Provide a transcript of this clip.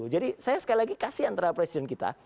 jadi saya sekali lagi kasihan pada presiden kita